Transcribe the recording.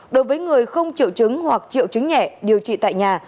đối với người không triệu chứng hoặc triệu chứng nhẹ điều trị tại nhà